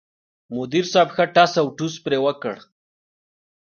مدیر صاحب ښه ټس اوټوس پرې وکړ.